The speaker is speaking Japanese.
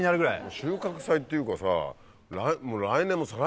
収穫祭っていうかさぁ。